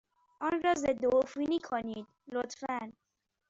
آن را ضدعفونی کنید، لطفا.